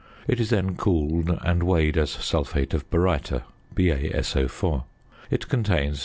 It is then cooled, and weighed as sulphate of baryta (BaSO_). It contains 65.